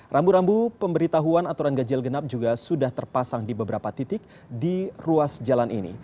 rambu rambu pemberitahuan aturan ganjil genap juga sudah terpasang di beberapa titik di ruas jalan ini